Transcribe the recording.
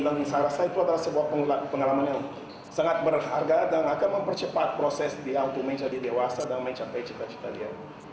dan saya rasa itu adalah sebuah pengalaman yang sangat berharga dan akan mempercepat proses dia untuk menjadi dewasa dan mencapai cita cita dia